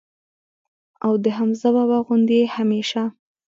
او د حمزه بابا غوندي ئې هميشه